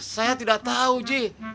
saya tidak tau ji